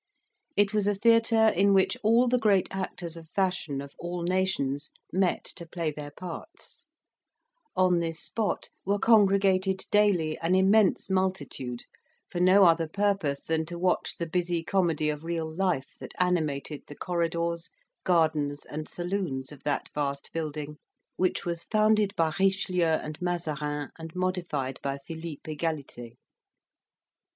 It was a theatre in which all the great actors of fashion of all nations met to play their parts: on this spot were congregated daily an immense multitude, for no other purpose than to watch the busy comedy of real life that animated the corridors, gardens, and saloons of that vast building, which was founded by Richelieu and Mazarin, and modified by Philippe Egalite.